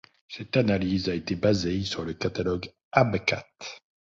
Cette analyse a été basée sur le catalogue HabCat.